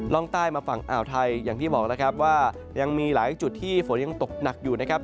ร่องใต้มาฝั่งอ่าวไทยอย่างที่บอกแล้วครับว่ายังมีหลายจุดที่ฝนยังตกหนักอยู่นะครับ